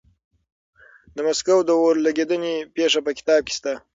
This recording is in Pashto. د مسکو د اور لګېدنې پېښه په کتاب کې شته.